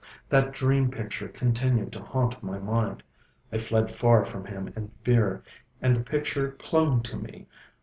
That dream picture continued to haunt my mind. I fled far from him in fear, and the picture clung to me.